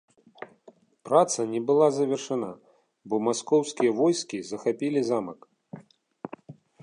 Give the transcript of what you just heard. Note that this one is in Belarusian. Праца не была завершана, бо маскоўскія войскі захапілі замак.